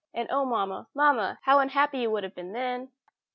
And oh, mamma! mamma! how unhappy you would have been then!"